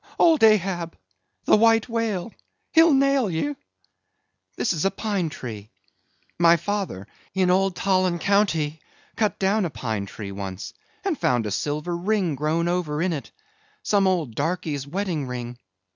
old Ahab! the White Whale; he'll nail ye! This is a pine tree. My father, in old Tolland county, cut down a pine tree once, and found a silver ring grown over in it; some old darkey's wedding ring.